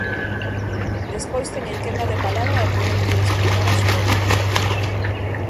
Despois teñen quenda de palabra e poden vir explicar a súa opinión.